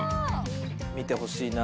見てほしいな。